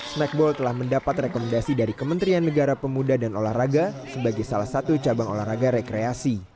smackball telah mendapat rekomendasi dari kementerian negara pemuda dan olahraga sebagai salah satu cabang olahraga rekreasi